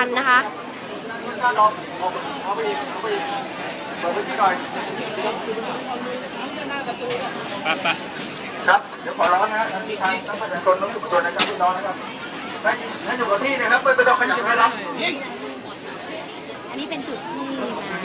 อันนี้เป็นจุดพี่นะครับ